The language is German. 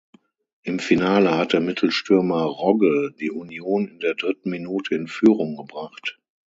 Im Finale hatte Mittelstürmer Rogge die Union in der dritten Minute in Führung gebracht.